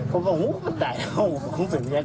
ไปผมบอกอุ๊ยคุณซึ่งไว้แล้ว